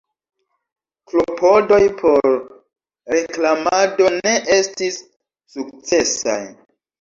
Klopodoj por reklamado ne estis sukcesaj.